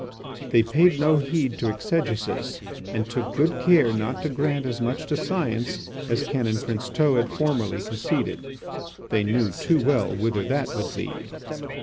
They paid no heed to exegesis and took good care not to grant as much to science as Canon Princeteau had formerly conceded. They knew too well whither that would lead.